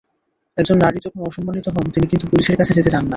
একজন নারী যখন অসম্মানিত হন, তিনি কিন্তু পুলিশের কাছে যেতে চান না।